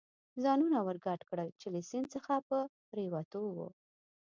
ځانونه ور ګډ کړل، چې له سیند څخه په پورېوتو و.